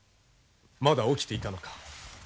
まだ起きていたのか。